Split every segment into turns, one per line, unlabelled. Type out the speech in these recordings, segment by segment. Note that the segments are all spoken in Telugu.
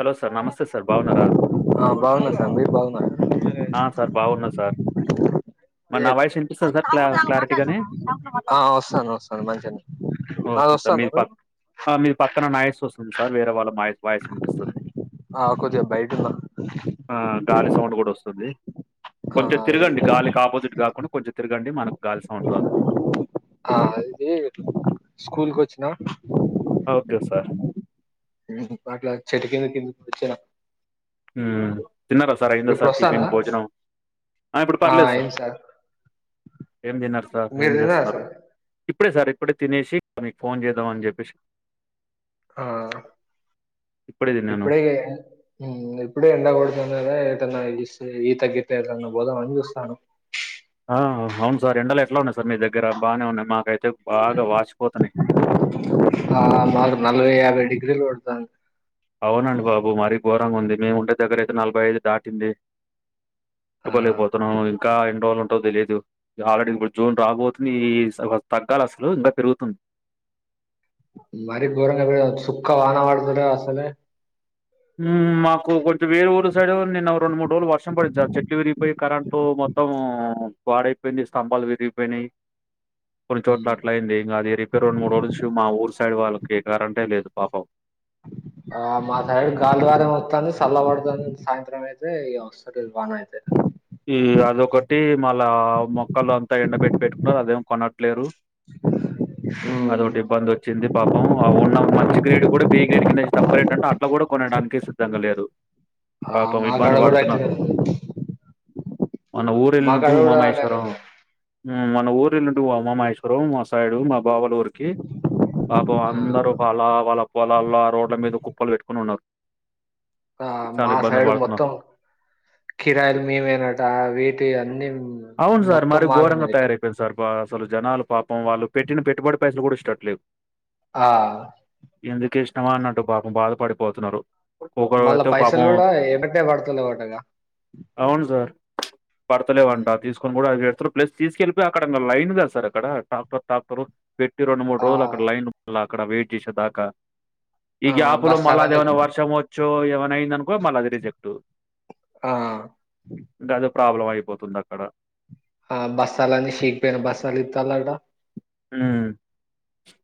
హలో సార్ నమస్తే సార్ బాగున్నారా?
ఆ బాగున్న సార్ మీర్ బాగున్నరా
ఆ సార్ బాగున్నా సార్ మరి నా వాయిస్ వినిపిస్తుందా సార్ క్లా క్లారిటీగానే?
ఆ వస్తానా వస్తాన్న మంచిగనే
ఓకే సార్ మీది పక్ ఆ మీది పక్కన నాయస్ వస్తుంది సార్ వేరే వాళ్ళ వాయిస్ వినిపిస్తుంది
ఆ కొద్దిగా బయటున్నా
ఆ గాలి సౌండ్ గూడా ఒస్తుంది
ఆ
కొంచెం తిరగండి
ఇటు
గాలికి ఆపోజిట్ కాకుండా కొంచెం తిరగండి మనకు గాలి సౌండ్ రాదు
ఆ ఇది స్కూలుకొచ్చిన
అ ఓకే సార్
ఉహ్మ్ అట్లా చెటు కింద కేళ్లి కూర్చున్న
ఉహ్మ్ తిన్నరా సార్ అయిందా సార్ టిఫిన్
వస్తాందా
భోజనం ఆ ఇప్పుడు పర్లేదు సార్ ఏం తిన్నారు సార్
మీరు
ఏం
తిన్నారా
జేస్తున్నరు
సార్
ఇప్పుడే సార్ ఇప్పుడే తినేసి మీకు ఫోన్ చేద్దాం అని జెప్పేసి
ఆ ఇప్పుడే ఇగే ఉమ్మ్ ఇప్పుడే ఎండ కొడుతుందని ఎటన ఈష్ ఈత గిట్ల ఎటన్న పోదామని చూస్తాన్న
ఆహ్ అవును సార్ ఎండలు ఎట్లా ఉన్నాయి సార్ మీ దగ్గర బానేవున్నాయా మాకైతే బాగా వాచిపోతున్నాయి.
ఆ మాకు నలభై యాభై డిగ్రీలు కోడతాంది
అవునండి బాబు మరీ ఘోరంగా ఉంది మేము ఉండే దగ్గరయితే నలభై ఐదు దాటింది
ఆ
తట్టుకోలేకపోతున్నాం ఇంకా ఎన్నిరోజులు టో తెలీదు ఆల్రెడీ ఇప్పుడు జూన్ రాబోతుంది ఈ స తగ్గాలి అసలు ఇంకా పెరుగుతుంది
మరి ఘోరంగా ఇప్పుడు చుక్క వాన పడతలేదు అసలే
ఉమ్మ్ మాకు కొంచం వే ఊరు సైడ్ నిన్న రెండు మూడు రోజులు వర్షం పడింది సార్ చెట్లు విరిగిపోయి కరెంటు మొ త్తము పాడైపోయింది స్తంభాలు విరిగిపోయినాయి కొన్ని చోట్ల అట్లయింది ఇంగ అది ఇరిగిపోయి రెండు మూడు రోజులు మా ఊరు సైడ్ వాళ్ళ కి కరెంటే లేదు పాపం
ఆ మా సైడు గాలి మాత్రం వత్తాంది సల్లబడతంది సాయంత్రం అయితే ఇగ వస్తలేదు వాన అయితే
ఈ అదొకటి మళ్ళా మొక్కలు అంతా ఎండబెట్టి పెట్టుకున్నారు అదేం కొనట్లేరు అది ఒకటి ఇబ్బంది వచ్చింది పాపం ఉన్న మంచి గ్రేడ్ కూడా బి గ్రేడ్ కింద ఎక్కువ రేట్ అంటే అట్లా కూడా కొనడానికి సిద్ధంగా లేరు
ఆ
పాపం
మాకాడ
ఇబ్బంది
కూడా అట్లే ఉంది
మొన్న ఊరెళ్ళుంటి
మాకాడ కూడా అలానే
ఉమామహేశ్వరం
ఉంది
ఉమ్మ్ మొన్న ఊరేళ్ళుంటి ఉమా మహేశ్వరం మా సైడు మా బావ వాళ్ళ ఊరికి పాపం అందరూ అలా వాళ్ల వాళ్ళల్ల రోడ్ల మీద కుప్పలు పెట్టుకోని ఉన్నారు
ఆ
చాలా
మా
ఇబ్బంది
సైడు
పడుతున్నాం
మొత్తం కిరాయిలు మేమే నడ్ దా వీటి అన్ని
అవును సార్
మొత్తం
మరి
మా
ఘోరంగా
మిద్నే తీపిత్
తయారైపోయింది సార్ బా అసలు జనాలు పాపం వాళ్ళు పెట్టిన పెట్టుబడి పైసలు కూడా ఇష్టట్టులేవ్
ఆహ్
ఇష్టమా అన్నట్టు పాపం బాధపడిపోతున్నారు ఒక్క
మళ్ళా
ఐతే
పైసలు
పాపం
కూడా ఏమంటే పడతలేవటగా
అవును సార్ పడతలేవంట తీసుకొని కూడా అది ప్లేస్ తీసుకెళ్లిపోయి అక్కడ లైన్ కదా సార్ అక్కడ టక్టర్ టాక్టర్ పెట్ టి రెండు మూడు
ఆ
రోజులు అక్కడ లైను అక్కడ వెయిట్ చేసే దాకా ఈ
ఆ
గ్యాప్లో మల్ల
బస్తాలని
అదేమన్నా వర్షము చో ఏమన్నా అయిందనుకో మళ్ళ అది రిజెక్ట్
ఆ
ఇంకా అదో ప్రాబ్లం అయిపోతుంది అక్కడ
ఆ బస్తాలన్నీ షికిపోయినా బస్తాలిత్తలాటా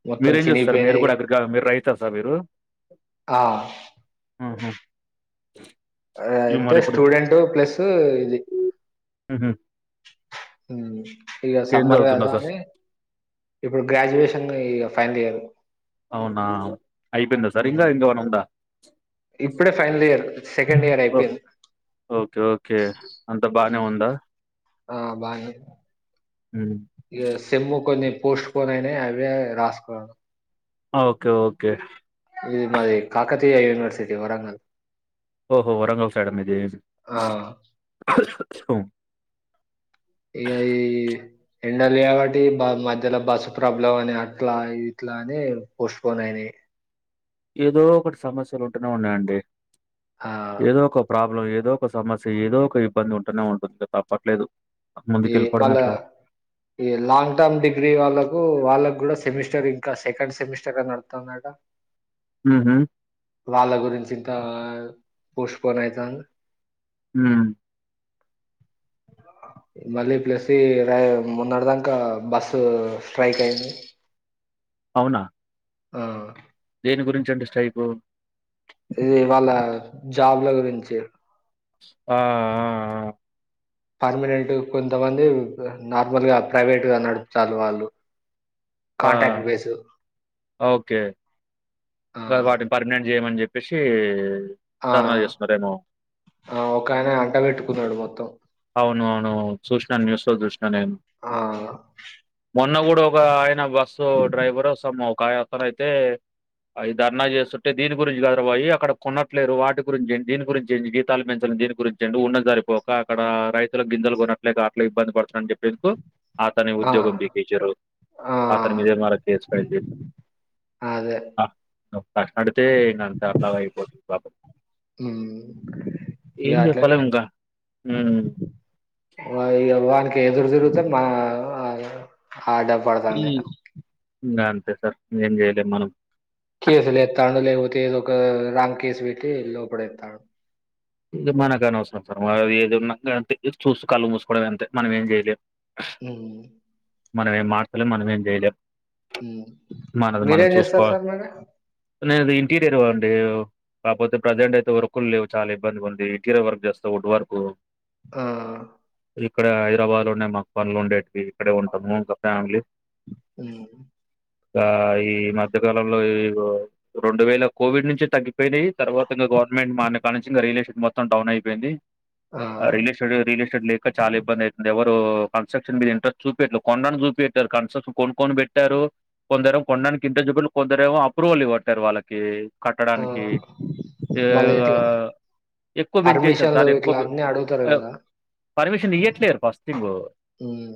మొత్తం
మీరేం చేస్సారు మీరు
చినిగిపోయినాయి
కూడా అగ్రికల్ మీరు రైతారు సార్ మీరు
ఆ
ఉహు
అంటే
ఇప్పుడు
స్టూడెంట్ ప్లస్సు ఇది
మ్హూ.
హు ఇగ
ఏం
సమ్మర్ కాద
చదువుతున్నా సార్
అని ఇప్పుడు గ్రాడ్యుయేషన్ ఇగ ఫైనల్ ఇయర్
అవునా అయిపోయిందా సార్ ఇంకా ఇంకేమన్నా ఉందా
ఇప్పుడే ఫైనల్ ఇయర్ సెకండ్ ఇయర్
ఓ,
ఐపేయింద్
ఓకే ఓకే అంత బానే ఉందా
ఆ బానే ఉం
మ్మ్.
ఇగ సేమ్ము కొన్ని పోస్టుపోన్ అయినాయి అవ్వే రాసుకున్నాను
ఓకే ఓకే
తీయ యూనివర్సిటీ వరంగల్
ఓహో వరంగల్ సైడా మిది
ఆ! ఏ ఐ ఎండలు చేయవట్టి బ మధ్యలో బస్సు ప్రాబ్లం అని అట్లా ఇట్లా అని పోస్ట్పోన్ అయినాయి
ఏదో ఒకటి సమస్యలు ఉంటూనే ఉన్నాయండి
ఆ!
ఏదో ఒక ప్రాబ్లం ఏదో ఏదో ఒక సమస్య ఏదో ఒక ఇబ్బంది ఉంటనే ఉంటుంది తప్పట్లేదు
ఈ
ముందుకెళ్ళిపోవడం
మళ్ళ
ఎట్లా?
ఈ లాంగ్ టర్మ్ డిగ్రీ వాళ్ళకు వాళ్ళ కూడా సెమిస్టర్ ఇంకా సెకండ్ సెమిస్టరే నడుతాందట
ఉహు
వాళ్ళ గురించి ఇంత పోస్ట్పోన్ అయితాంది
ఉహ్
మళ్ళీ ప్లసీ రై మున్నడదాంక బస్సు స్ట్రైక్ అయింది
అవునా
ఆ
దేని గురించి అంటే స్ట్రైకు
ఇది వాళ్ళ జాబ్ల గురించి
ఆ ఆ
పర్మనెంట్ కొంతమంది నార్మల్గా ప్రైవేట్ గా నడుపుతల్లూ వాళ్ళు
ఆ!
కాంటాక్ట్ బేసు
ఓకే వాటిని పర్మినెంట్ చేయమని చెప్పేసి
ఆ ఒకయానా
అవును అవును చూసినాను న్యూస్ లో చూసినా నేను
ఆ
మొన్న కూడా ఒక ఆయన బస్సు డ్రైవరో సమ్ ఒక అయి అతను అయితే అవి ధర్నా చేస్తుంటే దీని గురించి కద్ర బాయి అక్కడ కొన్నట్లేదు వాటి గురించి దీని గురించి జీతాలు పెంచ దీని గురించి అండి ఉన్నది సరిపోక అక్కడ రైతుల గింజలు కొనట్లేక అట్లా ఇబ్బంది పడుతుందని చెప్పేందుకు అతని
ఆ
ఉద్యోగం బీకే చిరు
ఆ
అతని మీదే మల కేసు ఫైల్ చేశారు
అ అదే
ప్రశ్న అడిగితే అంత అట్లాగా అయిపోతుంది పాపం
మ్మ్ ఇగ
ఏం
అట్లనే
చెప్పాలేము ఇంకా
ఆ ఈ అవాన్కి ఎదుర్దిరు ఆ డబ్
ఈ
పడతది
ఇంగ అంతే సార్ ఏం చేయలేము మనం
కేసులు ఎస్తాడు లేకపోతే ఏదో ఒక రాంగ్ కేసు పెట్టి లోపలి ఏతాండు
ఇది మనకు అనవసరం సార్ మన ఏదిన్నా చూసి కళ్ళు మూసుకోవడం అంతే మనం ఏం చేయలేము
హ
మనం ఏం మార్చలేం మనం ఏం చేయలేం
హ్మ్.
మనది మనం
మీరేం చేస్తారు
చూసుకోవాలి
సార్ మరి?
నేను ఇంటీరియర్ అండి కాకపోతే ప్రజెంట్ అయితే వర్క్లు లేవు చాలా ఇబ్బంది ఉంది ఇటీరియర్ వర్క్ చేస్తా వుడ్ వర్క్
ఆ
ఇక్కడ హైదరాబాద్ లోనే మాకు పనులు ఉండేటివి ఇక్కడే ఉంటాం ఫ్యామిలీ
అ
ఈ మధ్యకాలంలో ఈ రెండు వేల కోవిడ్ నుంచి తగ్గిపోయినాయి తర్వాత గవర్నమెంట్ మన క ఇగా రియల్ ఎస్టేట్ మొత్తం డౌన్ అయిపోయింది ఆ రియల్ ఎస్టేట్ రియల్ ఎస్టేట్ లేక చాలా ఇబ్బంది అయితుంది ఎవ కన్స్ట్రక్షన్ మీద ఇ్రస్ట్ చూపియట్లే కొనడానికి చూపియట్లేదు కన్ట్రక్షన్ కొనుకొని పెట్టారు కొందరు కోన్ నికి ఇంట్రెస్ట్ చూపెట్టలే కొందరికి అప్రూవల్ ఇవ్వలేట్టారు వాళ్ళకి
ఆ!
కట్టడానికి ఏ
మళ్ళీ ఇట్లా
ఎక్కువ పెంచే చేశారు
పర్మిషన్లు
సార్ ఎక్కువ
ఇట్లా అన్నీ అడుగుతారు కదా!
పర్మిషన్ ఇయట్లేరు ఫస్ట్ థింగ్
హ్మ్.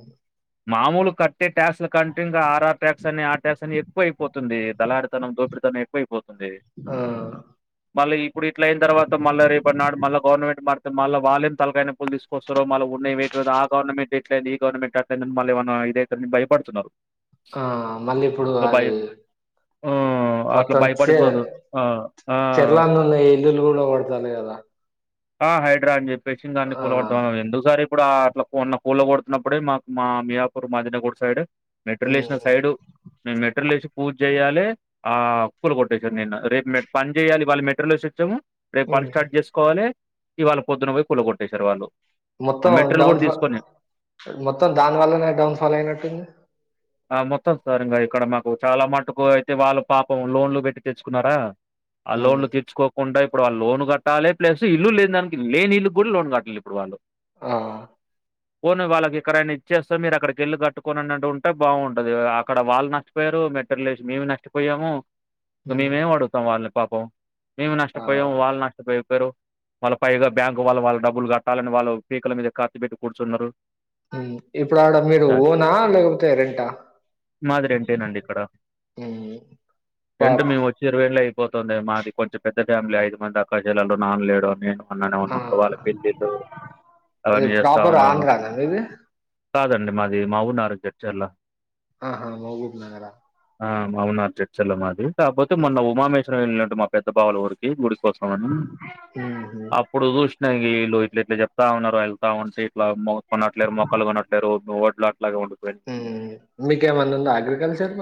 మామూలు కట్టే ట్యాక్స్ల కంటే ఇంకా ఆర్ ఆర్ ట్యాక్స్ అని ఆ ట్యాక్స్ అని ఎక్కువ అయిపోతుంది దళడితనం ఎక్కువైపోతుంది
ఆ!
మళ్ళీ ఇప్పుడు ఇట్ల అయిన తర్వాత రేపట్నాడు మళ్ళ గవర్నమెంట్ మారితే మళ్ళ వాళ్ళే తలకాయా నొప్పులు తీకొస్తారోళ్ళ ఉన్నాయి వేట్ పెరిగి ఆ గవర్నమెంట్ ఎట్లయి ఈ గవర్నమెంట్ మళ్ళ ఏమన్న ఇదైతది అని భయపడుతున్నారు
ఆ మళ్ళీ ఇప్పుడు
సో, భయ
అది
హ్మ్. అట్లా భయపడి
మత్తంద
ఆ! ఆ!
కేరళ లో ఇల్లులు కూడా తానీ కదా
ఆ హైడ్రా అని చెప్పేసి దాన్ని
ఆ!
కూలబడుతాన్నా ఎందుకుసారు ఇప్పుడు అట్లా కొన్న కూళ్ల కొడుతున్నప్పుడే మాకు మా మియాపూర్ మాదినగూడ సైడ్ మెట్రో
హ్మ్.
లేషన సైడ్ మేము మెటరియల్ వేసి పూజ చేయాలి ఆ కూలు కొట్టేసారు నిన్న రేపు పని చేయాలి వాళ్ళ మెటరియల్ వేసి ఇచ్చాము రేపు పని
హ్మ్.
స్టార్ట్ చేసుకోవాలి ఇవాళ్ళ పొద్దున పోయి కూల కొట్టేసారు వాళ్ళు ఆ
మొత్తం
మెటీరియల్
డౌన్
కూడా
ఫాల్
తీసుకొని
మొత్తం దాని వల్లనే డౌన్ ఫాల్ అయినట్టుంది
ఆ మొత్తం సార్ ఇంకా ఇక్కడ మాకు చాలా మట్టుకు అయితే వాళ్ళు పాపం లోన్లు పెట్టి తెచ్చుకున్నారా ఆ
హ్మ్.
లోన్లు తీర్చుకోకుండా వాళ్ళు లోన్ కట్టాలి ప్లస్ ఇల్లు లేని దానికి లేని ఇళ్లకు కూడా లోన్ కట్టాలి ఇప్పుడు వాళ్ళు
ఆ
పోని వాళ్ళకి ఎకడైనా ఇచ్చేస్త మరి మీరు అక్కడికి వెళ్ళి కట్టుకోండి అన్నట్టు ఉంటే బాగుంటది అక్కడ వాళ్ళు నష్టపోయారు మెటీరియల్ వేసి మేము నష్టపోయాము
హ్మ్.
మేము ఏం అడుగుతాం వాళ్ళని పాపం మేము
ఆ!
నష్టపోయాము వాళ్ళు నష్టపోయారు వాళ్ళ పైగా బ్యాంకు వాళ్ళు వాళ్ళ డబ్బులు కట్టాలని వాళ్ళు పీకల మీద కత్తి పెట్టి కూర్చున్నారు
ఇప్పుడు ఆడ మీరు
ద
ఓనా లే
మాది రెంటెనే అండి ఇక్కడ
ఉమ్ పా
రెంట్ మేము ఒచ్చి ఇరవై ఏళ్లు అయిపోతుంది మది కొంచం పెద్ద ఫ్యామిలి ఐదు మంది అక్కచెల్లలు నాన్న లేడు నేను మనమే ఉన్నాం
ఆ
అనుకో వాళ్ల పెళ్ళిల్లు అవి
ఏ
అన్ని చేస్తా
ప్రాపర్
ఉన్నాం
ఆంధ్రానా మీది
కాదు అండి మది మా ఊరు నారా చెంచెర్ల
ఆహా మెహబూబ్ నగర్
ఆ అవున్న చెన్చర్చల్ల మాది కాకపోతే
ఉహు
మొన్న ఉమామేశ్వరం వెళ్ళినంటే మా పెద్ద బావలఊరికి గు కోసం అని
ఉమ్
అప్పుడు చూషణ ఇగ వీళ్ళు ఇట్ల ఇట్ల చెప్తున్నారు అని వెళ్తుంటే అలా కొనట్లేరు మొక్కలు కొనట్లేరు ఒడ్లు అట్లాగ ఉండిపోయాయి
హ్మ్ మీకు ఏం ఆయన ఉందా మరి అగ్రికల్చర్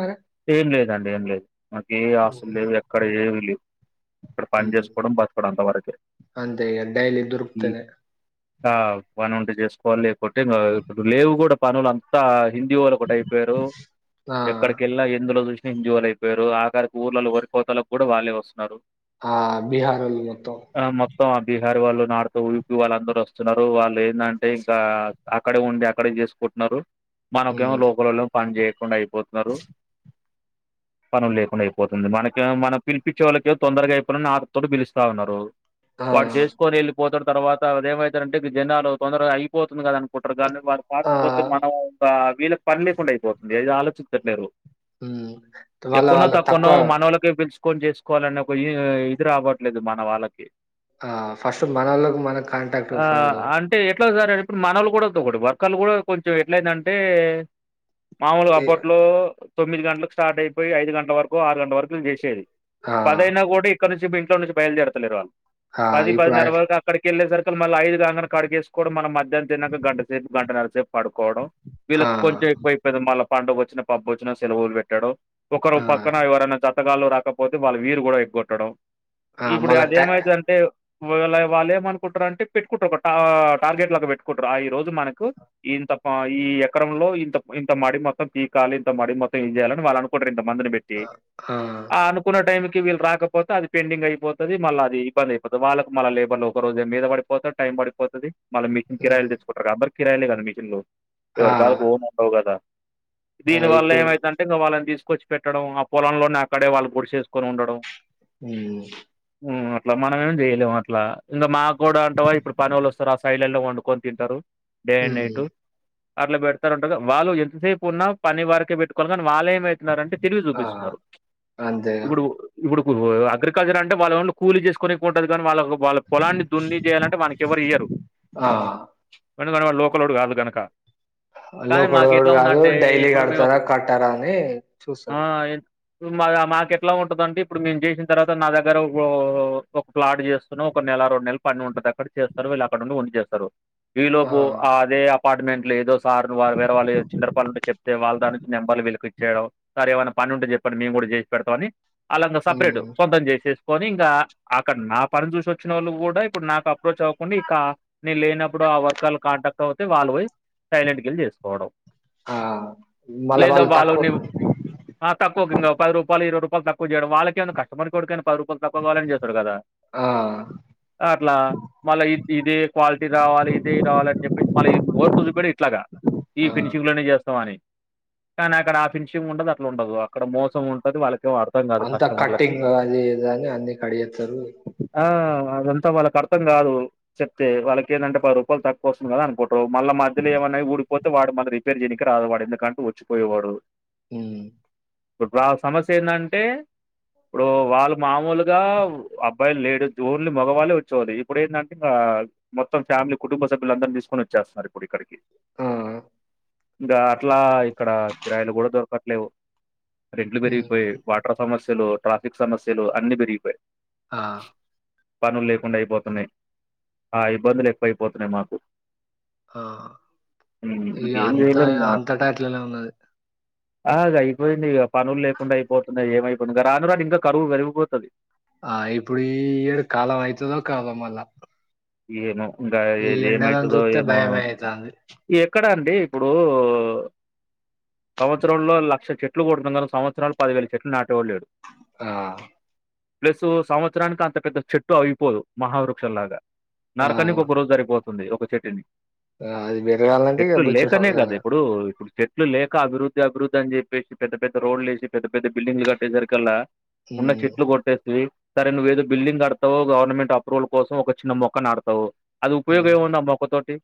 ఏం లేదండి ఏం లేదు మాకు ఏ ఆస్తులు
ఉమ్
లేవు ఎక్కడ ఏవి లేవు ఇక్కడ పని
ఉమ్.
చేసుకోవడం బతుకడం అంతవరకే
అంతే ఇగ డైలీ
ఈ
దొరుకుతనే
ఆ పని ఉంటే చేసుకోవాలి లేకపోతే ఇంకా ఇప్పుడు లేవు కూడా పనులుంతా హిందీవాళ్ళు ఒకటి అయిపోయారు
ఆ
ఎక్కడకి వెళ్ళిన ఎందులో చూషణ ఎంజోయల్ అయిపోయారు ఆఖారికి ఊర్లలో వరిపోవతాలకు కూడా వాళ్ళే వస్తున్నారు
ఆ బీహారోల్లు మొత్తం
ఆ మొత్తం ఆ బీహార్ వాళ్ళు నార్త్ యూపి వాళ్ళు అందరుూ వస్తున్నారు వాళ్ళు ఏందిఅంటే ఇంకా అక్కడే ఉండి అక్కడే చేసుకుంటున్నారు రూ మనకేమో
ఉమ్
లోకలోలు పని చేయకుండా అయిపోతరూ పనులు లేకుండా అయిపోతుంది మనకే మనం పిలిపించే వాళ్ళకి తొందరగా అయిపోవాలియాని ఆశతోని పిలుస్తా ఉన్నారు
ఆ
వాడు చేసుకొని వెళ్ళిపోతాడు తర్వాత ఆది ఏం అత్తదింటే ఇగ జనాలు తొందరగా అయిపోతుంది కదా అను కుటరు కాగానీ వారు
ఆ
పాకపోతే మనం ఇంకా వీళ్ళకి పని లేకుండా అయిపోతుంది అది ఆలోచించట్లేరు
ఉమ్ వాళ్ళ
ఎక్కువ ఉన్న
వాళ్ళ
తక్కువ ఉన్న మనోళ్లకే ఇపిచి ఎక్కొని చేసుకోవాలనే ఒక ఇది రావట్లేదు మన వాళ్ళకి
ఆ ఫస్ట్ మనల్లోకి మనకు కాంటాక్ట్
ఆ!
ఉండాలి
అంటే ఎట్లా సర ఇప్పుడు మనవలు కూడాటి వర్కలు కూడా కొంచెం అట్లా అయ్యిందింటే మామూలుగా
ఏ
అప్పట్లో తొమ్మిది గంటలకు స్టార్ట్ అయిపోయి ఐదు గంటల వరకు ఆరు గంటల వరకు చేసేది
ఆ
పదైనా కూడా ఇక్కడ నుంచి ఇంట్లో నుంచి బయలుదేరతలేరు వాళ్ళు
ఆ
పది
ఇప్పుడు
పదిన్నర వరకు అక్కడికి వెళ్ళేసరికి క్క మళ్ళీ ఐదుగాంగను కడిగేసుకోడం మనం మధ్యన తినక గంట సేపు గంట నర సేపు పడుకోవడం
ఆ
వీళ్ళకి కొంచం ఎక్వైయింది మళ్ళ పండుగ వచ్చిన పభం వచ్చినా సెలవులు పెట్టాడం ఒకరు
ఆ
పక్కన ఎవరైనా జతగాళ్లు రాకపోతే వాళ్ళ వీరు కూడా పెట్టుకుంటాడు
ఆ
ఇప్పుడు
మళ్ళ
ఆది ఏం
ట్యా
అయితది అంటే వాళ్ళ వాళ్ళు ఏమనుకుంటారు అంటే పెట్టుకుంటారు ఒక టార్గెట్ లాగా పెట్టుకుంటారు ఆ ఈ రోజు మనకు ఇంత ఈ ఎకరంలో ఇంత ఇంత మడి మొత్తం పికాలి ఇంత మడి మొత్తం ఏంచేయాలని వాళ్ళు అనుకుంటారు ఇంత మందుని పెట్టి ఆ అనుకున్న టైంకి వీళ్ళు రాకపోతే అది పెండింగ్ అయిపోతుంది మళ్ళ అది ఇబ్బంది అయిపోతది వాళ్ళకు మళ్ళ లేబర్లు ఒక రోజులో మీద పడిపోతాది టైం పడిపోతది మల్లి మిషన్ కిరాయిలు
హ్మ్
తీసుకుంటారు అందరూ కిరాయిలే కదా మిషన్లు
ఆ
ఎవరి ఉండవు కదా
ఆ
దీని వల్ల
ఇప్పుడు
ఏం అయితది అంటే ఇగ వాళ్ళని థిస్ కోచి పెట్టడం ఆ పొలంలోనే అక్కడే వాళ్ళు గుడిస వేసుకొని ఉండడం
హ్మ్
ఉమ్ అట్లా మనమేం చేయలేం అట్లా ఇంకా మాగూడా అంటవా ఇప్పుడు పనోళ్ళు వస్తారు ఆ సైడ్ లలో వండుకొని తింటరు డే అండ్
హ్మ్
నైట్ అట్ల పెడతారుంటారు వాళ్ళు ఎంతసేపు ఉన్నా పని వరకే పెట్టుకోవాలి కా వాళ్ళ ఏమయితున్నారంటే తెలివి
ఆ
చూపిస్తున్నారు
అంతేగా
ఇబుడు ఇబుడు అగ్రికల్చర్ అంటే వాళ్ళోండ్లి కూలి చేసుకొని పూటే గాని వాళ్లకు వాళ్ళకు పొలాన్ని దున్ని చేయాలంటే వానికి ఎవరు ఇయ్యరు
ఆ
ఎందుకంటే వాడు లోకలోడు కాదు గన కానీ మాకు
లోకడోడు
ఎట్లా
కాదు
ఉందంటే
డైలీ
ఇప్పుడు
కడతారా
మేముకు
కట్టారా అని
ఆ
చూస్తారు
ఇప్పుడు మాక్ మాకు ఎట్లా ఉంటదంటే ఇప్పుడు మేము చేసిన తర్వాత నా దగ్గర గొ ఒక ప్లాట్ చేస్తున్నాం ఒక నెలా రెండు నెల్పని ఉంటది అక్కడ చేస్తారు వీళ్ళు అక్కడ ఉండి వండి చేస్తారు ఈ
ఆ
లోపు అదే అప్ అపార్ట్మెంట్లు ఏదో సార్ వా వేరె వాళ్ళ చిల్లర్ పని ఉంటే చెప్తే వాళ్ళ దానికి నెంబర్లు వీళ్ళకిచ్చేడం సార్ ఏమైన ప పని ఉంటే చెప్పండి మేము కూడా జేసి పెడాతామని అలాంగ సపరేట్
హ్మ్
సొంతం చేసే కొని ఇంకా అక్కడ నా పని చూసి వచ్చినోళ్ళు కూడా ఇప్పుడు నాకు అప్రోచ్ అవ్వకుండా ఇక నేను లేనప్ ఇప్పుడు ఆ వర్కర్లు కాంటాక్ట్ అవుతే వాళ్ళు పోయ్ సైలెంట్ గెల్ చేసుకోవడం
ఆ మళ్ళ
లేదా
వాళ్ళు
వాల్లో
తక్కువ
నివు ఆ తక్కువ కింగ పది రూపాలు ఇరవై రూపా రూపాయలు తక్కువ చేయడం వాళ్ళకే ఏమైనా కస్టమర్ కొడుకైనా పది రూపాల్ తక్కువాగావాలనే చేస్తాడు కదా
ఆ
అట్లా మళ్ళా ఇ ఇదే క్వాలిటీ రావాలి ఇదే రావాలని చెప్ మళ్ళ ఈ వర్క్ చూపేది ఇట్లాగా ఈ
ఆ
ఫినిషింగ్లోనే చేస్ అని కానీ అక్కడ ఆ ఫినిషింగ్ ఉండదు అట్ల ఉండదు అక్కడ మోసం ఉంటది వాళ్ళకి ఏమర్థం కాదు
అంతా
కస్టమర్లకి
కట్టింగ్ అది ఇది అని అన్ని కడిగేస్తారు
ఆ అదెం అంత వాళ్ళకి అర్థం కాదు చెప్తే వాళ్ళకి ఎందంటే పది రూపాయలు తక్కువ వస్ కదా అనుకుంటారు మళ్ళ మధ్యలో ఏమనై ఊడిపోతే వాడు మళ్ళా రిపేర్ చేయనికి రాడు వాడు ఎందుకంటే వచ్చిపోయేవాడు
ఉమ్
ఇప్పుడు ప్రా సమస్య ఏందంటే? ఇప్పుడు వాళ్ళు మామూలుగా అబ్బాయిలు లేడు ఓన్లీ మగవాళ్ళే వచ్చేవాళ్లు ఇప్పుడు ఏందంటే ఆ ఆ మొత్తం ఫ్యామిలీ కుటుంబ సభ్యులు అందర్నీ తీసుకొని వచ్చేస్తున్నారు ఇప్పుడు ఇక్కడికి
ఆ
ఇంగా అట్లా ఇక్కడ కిరాయలు కూడా దొరకట్లేవు రెంట్లు
హ్మ్
పెరిగిపోయి వాటర్ సమస్యలు ట్రాఫిక్ సమస్యలు అన్ని పెరిగిపోయాయ్
ఆ
పనులు లేకుండా అయిపోతున్నాయ్ ఆ ఇబ్బందులు ఎక్కువైపోతున్నాయి మాకు
ఆ
ఉమ్,
ఇగ
ఇంకేం
అంతా
చేయలేము ఇక
అంతటా అట్లనే ఉన్నది
ఆ అయిపోయింది ఇగ పనులు లేకుండా అయిపోతున్నాయి ఏమయిపోనుగా రాను రాను ఇంకా కరువు పెరిగిపోతాది
ఆ ఇప్పుడు ఈఏడు కాలం అయితదో కాదో మల్లా
ఏమో ఇంకా ఏది ఏమయితదో
చూస్తే
ఏమో
భయమే అయితాంది
ఎక్కడ డి ఇప్పుడు సంవత్సరంలో లక్ష చెట్లు కొడుతున్నారు సంవత్సరాలు పదివేలు చెట్లు నాటేవాడు లేడు
ఆ
ప్లస్ సంవత్సరానికి అంత పెద్ద చెట్టు అయిపోదు మహావృక్షం లాగా
ఆ!
నరకానాకి ఒక రోజు సరిపోతుంది ఒక చెట్టు ని
ఆ! అది పెరగాలంటే ఇక
చెట్లు
బొచ్చెడు
లేకనే కదా
సంవత్సరాలు.
ఇప్పుడు ఇప్పుడు చెట్ చెట్లు లేక అభివృద్ధి అభివృద్ధి అని జెప్పేసి పెద్ద రోడ్లేసి పెద్ద పెద్ద బిల్డింగ్లు కట్టేసరికళ్ళా ఉన్న
హ్మ్.
చెట్లు కొట్టేసి సరే నువ్వు ఏదో బిల్డింగ్ కడతవ్ గవర్నమెంట్ అప్రూవల్ కోసం ఒక చిన్న మొక్ మొక్క నాటుతావు అది ఉపయోగం
హ్మ్.
ఏమి ఉంది ఆ మొక్క తోటి